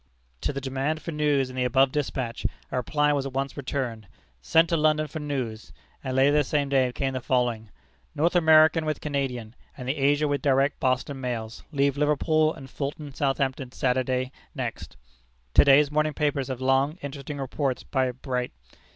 To the demand for news in the above despatch, a reply was at once returned: "Sent to London for news." And later the same day came the following: "North American with Canadian, and the Asia with direct Boston mails, leave Liverpool, and Fulton, Southampton, Saturday next. To day's morning papers have long, interesting reports by Bright.